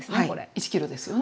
１ｋｇですよね。